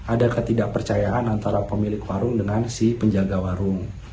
ada ketidakpercayaan antara pemilik warung dengan si penjaga warung